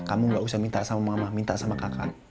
kamu gak usah minta sama mama minta sama kakak